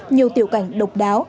nhiều tiểu cảnh độc đáo